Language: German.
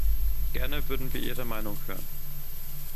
Gerne würden wir Ihre Meinung hören.